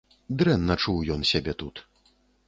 Дрэнна чуў ён сябе тут.